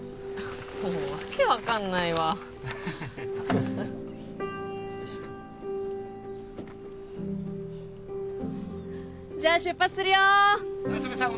もう訳分かんないわじゃあ出発するよ夏目さん